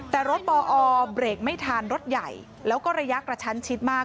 แต่รถปอเบรกไม่ทันรถใหญ่แล้วก็ระยะกระชั้นชิดมาก